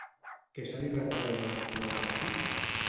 Què se li retreu a l'actual partit?